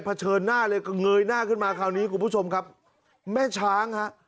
เฉินหน้าเลยก็เงยหน้าขึ้นมาคราวนี้คุณผู้ชมครับแม่ช้างฮะ